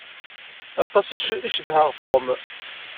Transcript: Aṭas i cedhaɣ Tom.